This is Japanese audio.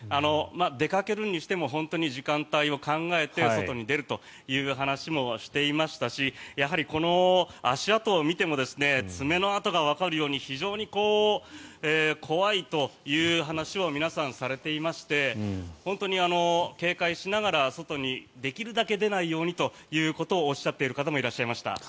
出かけるにしても本当に時間帯を考えて外に出るという話もしていましたしやはり、この足跡を見ても爪の跡がわかるように非常に怖いという話を皆さん、されていまして本当に警戒しながら外にできるだけ出ないようにということをおっしゃっている方もいらっしゃいました。